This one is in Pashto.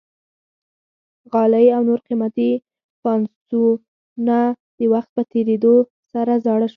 غالۍ او نور قیمتي فانوسونه د وخت په تېرېدو سره زاړه شول.